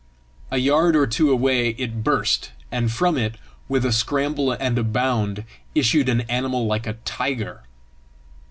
A yard or two away it burst, and from it, with a scramble and a bound, issued an animal like a tiger.